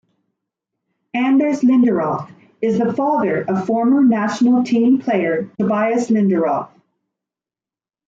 Anders Linderoth is the father of former national team player Tobias Linderoth.